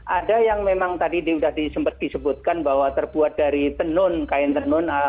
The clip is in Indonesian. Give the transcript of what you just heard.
ada yang memang tadi sudah disebutkan bahwa terbuat dari tenun kain tenun